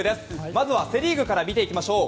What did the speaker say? まずはセ・リーグから見ていきましょう。